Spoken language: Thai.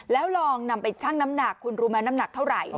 แล้วลองนำไปชั่งน้ำหนักคุณรู้ไหมน้ำหนักเท่าไหร่